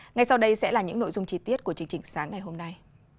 ngay sau đây sẽ là những nội dung chi tiết của chương trình sáng ngày hôm nay